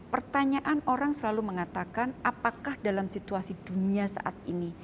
pertanyaan orang selalu mengatakan apakah dalam situasi dunia saat ini